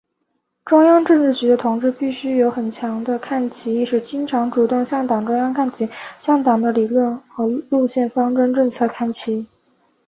中央政治局的同志必须有很强的看齐意识，经常、主动向党中央看齐，向党的理论和路线方针政策看齐。